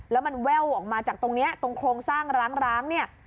แล้วมันแว่วออกมาจากตรงนี้ตรงโครงสร้างร้างเนี่ย